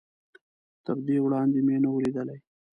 تر دې وړاندې مې نه و ليدلی.